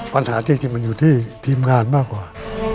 ปัญหาจริงมันอยู่ที่ทีมงานมากกว่า